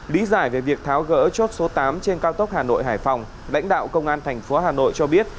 lý giải về việc tháo gỡ chốt số tám trên cao tốc hà nội hải phòng lãnh đạo công an thành phố hà nội cho biết